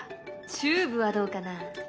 チューブはどうかな？